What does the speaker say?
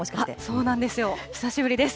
そうなんですよ、久しぶりです。